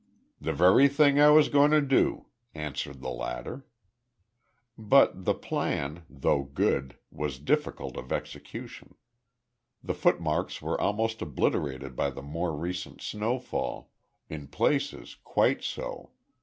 "The very thing I was going to do," answered the latter. But the plan, though good, was difficult of execution. The footmarks were almost obliterated by the more recent snowfall, in places quite so.